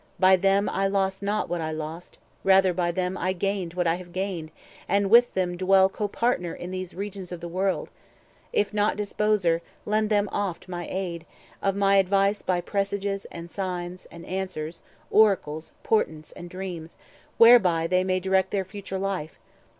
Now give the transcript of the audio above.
By them I lost not what I lost; rather by them 390 I gained what I have gained, and with them dwell Copartner in these regions of the World, If not disposer—lend them oft my aid, Oft my advice by presages and signs, And answers, oracles, portents, and dreams, Whereby they may direct their future life.